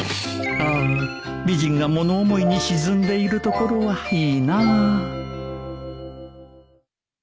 ああ美人が物思いに沈んでいるところはいいなぁ